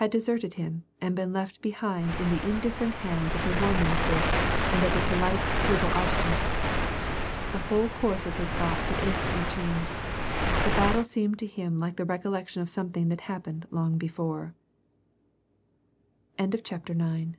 deserted him and had been left behind in the indifferent hands of the war minister and of the polite Flugel adjutant, The whole course of his thoughts had instantly changed; the battle seemed to him like the recollection of something that happene